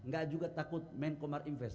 gak juga takut menko marinfes